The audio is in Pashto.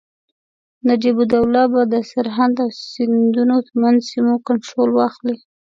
نجیب الدوله به د سرهند او سیندونو ترمنځ سیمو کنټرول واخلي.